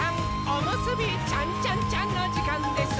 おむすびちゃんちゃんちゃんのじかんです！